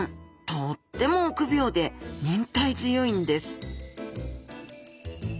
とっても臆病で忍耐強いんです